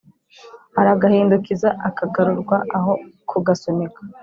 aragahindukiza akagarurwa aho kugasunika